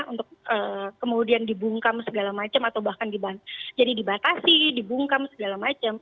untuk kemudian dibungkam segala macam atau bahkan jadi dibatasi dibungkam segala macam